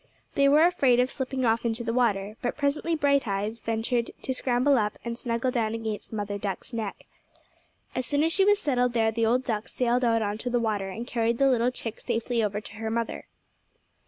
They were afraid of slipping off into the water; but presently Bright Eyes ventured to scramble up and snuggle down against Mother Duck's neck. As soon as she was settled there the old duck sailed out on the water and carried the little chick safely over to her mother.